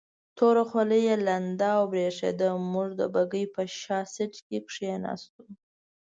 توره خولۍ یې لنده او برېښېده، موږ د بګۍ په شا سیټ کې کېناستو.